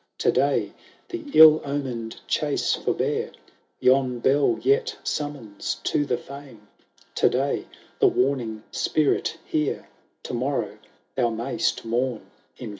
IX " To day, the ill omened chase forbear, Yon bell yet summons to the fane ; To day the "Warning Spirit hear, To morrow thou mayst mourn in vain."